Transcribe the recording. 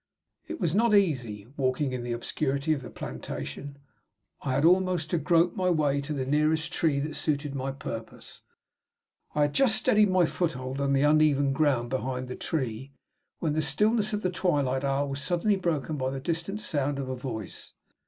It was not easy walking in the obscurity of the plantation: I had almost to grope my way to the nearest tree that suited my purpose. I had just steadied my foothold on the uneven ground behind the tree, when the stillness of the twilight hour was suddenly broken by the distant sound of a voice.